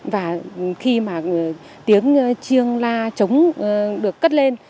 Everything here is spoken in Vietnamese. và khi mà tiếng chiêng la trống được cất lên